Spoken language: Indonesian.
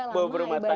mau berumah tangga